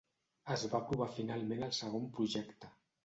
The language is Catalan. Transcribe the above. Es va aprovar finalment el segon projecte.